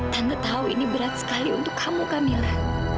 tangga tahu ini berat sekali untuk kamu kamila